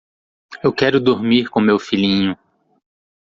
Eu quero dormir com meu filhinho.